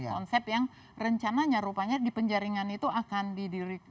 konsep yang rencananya rupanya di penjaringan itu akan didirikan